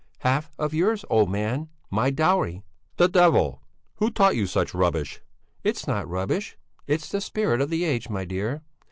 "Half of your's, old man! My dowry." "The devil! Who taught you such rubbish?" "It's not rubbish; it's the spirit of the age, my dear.